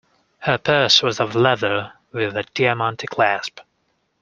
Her purse was of leather, with a diamante clasp.